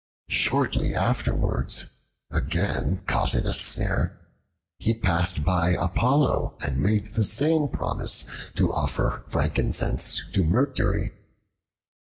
Shortly afterwards, again caught in a snare, he passed by Apollo and made the same promise to offer frankincense to Mercury.